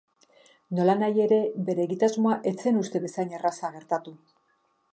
Nolanahi ere, bere egitasmoa ez zen uste bezain erraza gertatu.